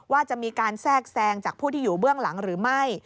ว่าจะมีการแทรกแทรงจากผู้ที่อยู่เบื้องหลังหรือไม่